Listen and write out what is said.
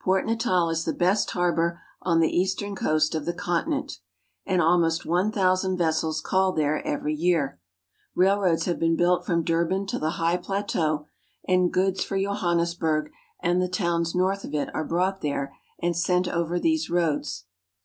Port Natal is the best harbor on the eastern coast of the continent, and almost one thousand vessels call there every year. Railroads have been built from Durban to the high plateau, and goods for Johannesburg and the towns north of it are brought there and sent over these roads.